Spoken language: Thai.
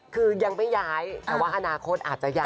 คือยังไม่ย้ายแต่ว่าอนาคตอาจจะย้าย